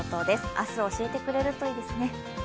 明日教えてくれるといいですね。